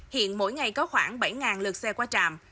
hiện mỗi ngày có khoảng bảy lượt xe qua trạm